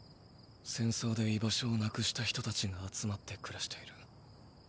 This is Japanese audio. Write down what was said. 戦争で居場所をなくした人たちが集まって暮らしている。